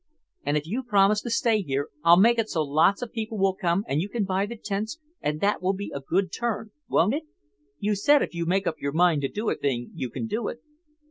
And if you promise to stay here I'll make it so lots of people will come and you can buy the tents and that will be a good turn, won't it? You said if you make up your mind to do a thing you can do it."